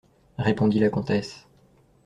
Répondit la comtesse.